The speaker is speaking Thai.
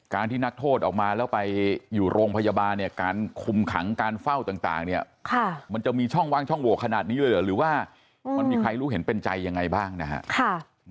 ที่นักโทษออกมาแล้วไปอยู่โรงพยาบาลเนี่ยการคุมขังการเฝ้าต่างเนี่ยมันจะมีช่องว่างช่องโหวขนาดนี้เลยเหรอหรือว่ามันมีใครรู้เห็นเป็นใจยังไงบ้างนะฮะ